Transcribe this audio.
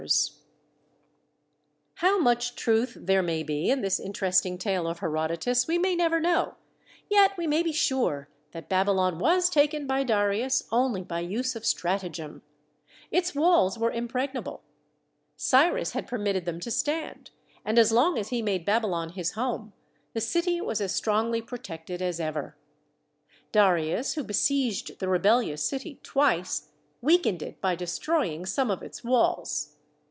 (Book III., chapters 150 160.) How much truth there may be in this interest ing tale of Herodotus, we may never know, yet we may be sure that Babylon was taken by Darius only by use of stratagem. Its walls were impreg nable. Cyrus had permitted them to stand, and as long as he made Babylon his home, the city was as strongly protected as ever. Darius, who besieged the rebellious city twice, weakened it by destroying some of its walls.